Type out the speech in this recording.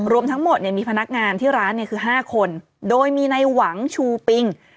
รวมทั้งหมดเนี่ยมีพนักงานที่ร้านคือ๕คนโดยมีในหวังชูปิง